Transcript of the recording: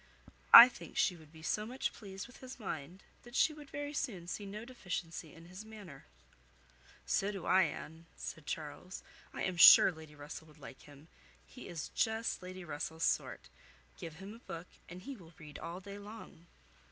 I think she would be so much pleased with his mind, that she would very soon see no deficiency in his manner." "So do I, Anne," said Charles. "I am sure Lady Russell would like him. He is just Lady Russell's sort. Give him a book, and he will read all day long."